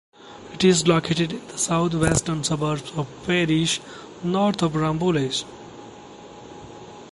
It is located in the south-western suburbs of Paris north of Rambouillet.